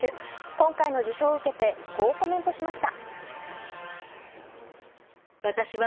今回の受賞を受けてこうコメントしました。